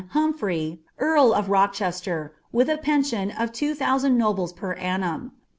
Humphrey, earl of Ko* ehcsUr. with a pension of two thousand nobles per Dnnum.